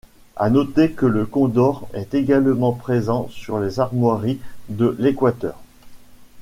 À noter que le condor est également présent sur les armoiries de l'Équateur.